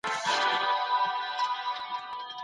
ښوونکي وویل چی کلتوري عوامل د ټولني بنسټ جوړوي.